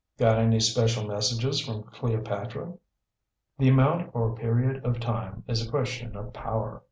"Got any special messages from Cleopatra?" "The amount or period of time is a question of power.